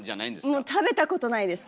もう食べたことないです